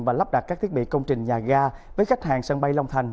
và lắp đặt các thiết bị công trình nhà ga với khách hàng sân bay long thành